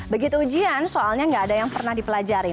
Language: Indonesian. begitu ujian soalnya nggak ada yang pernah dipelajari